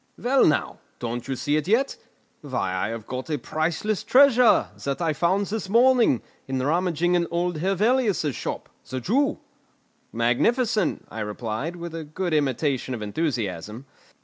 "Well, now; don't you see it yet? Why I have got a priceless treasure, that I found his morning, in rummaging in old Hevelius's shop, the Jew." "Magnificent!" I replied, with a good imitation of enthusiasm.